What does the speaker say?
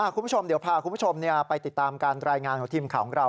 คุณผู้ชมเดี๋ยวพาคุณผู้ชมไปติดตามการรายงานของทีมข่าวของเรา